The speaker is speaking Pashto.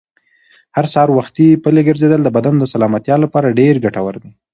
هر سهار وختي پلي ګرځېدل د بدن د سلامتیا لپاره ډېر ګټور دي.